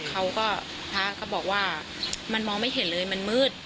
พระก็บอกว่ามันมองไม่เห็นเลยมันมืด